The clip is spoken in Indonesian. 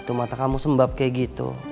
itu mata kamu sembab kayak gitu